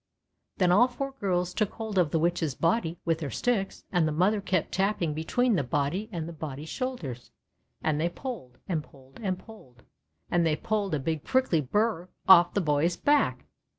Then all four girls took hold of the Witch's body with their sticks, and the mother kept tapping between the body and the boy's shoul ders; and they pulled, and pulled, and pulled, and they pulled a big pricldy Burr off the boy's back!